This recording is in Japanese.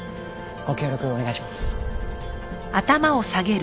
ご協力お願いします。